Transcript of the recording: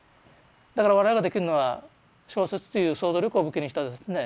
だから我々ができるのは小説という想像力を武器にしたですね